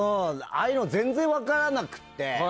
ああいうの、全然分からなくて。